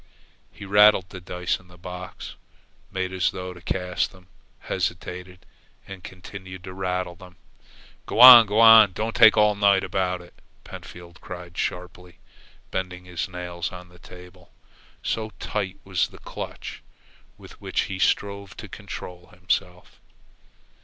He rattled the dice in the box, made as though to cast them, hesitated, and continued rattle them. "Go on! Go on! Don't take all night about it!" Pentfield cried sharply, bending his nails on the table, so tight was the clutch with which he strove to control himself.